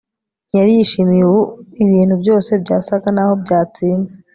Ntiyari yishimye ubu Ibintu byose byasaga naho byatsinze